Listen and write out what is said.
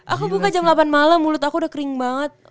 aku buka jam delapan malam mulut aku udah kering banget